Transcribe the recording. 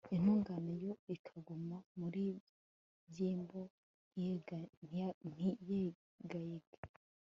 intungane yo ikaguma mu byimbo, ntiyegayege